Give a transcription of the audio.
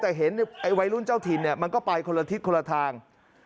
แต่เห็นไอ้วัยรุ่นเจ้าถิ่นเนี่ยมันก็ไปคนละทิศคนละทาง